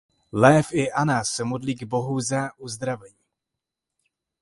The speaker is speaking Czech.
Löw i Anna se modlí k Bohu za uzdravení.